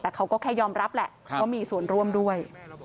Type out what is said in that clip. แต่เขาก็แค่ยอมรับแหละว่ามีส่วนร่วมด้วย